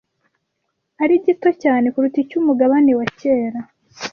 ari gito cyane kuruta icy'umugabane wa kera